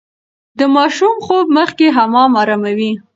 د ماشوم خوب مخکې حمام اراموي.